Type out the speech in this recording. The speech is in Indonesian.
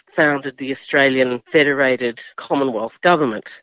yang menciptakan pemerintah perang commonwealth australia